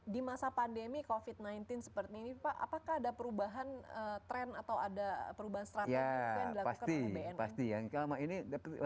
di masa pandemi covid sembilan belas seperti ini pak apakah ada perubahan tren atau ada perubahan strategi yang dilakukan oleh bnn